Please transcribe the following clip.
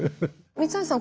三橋さん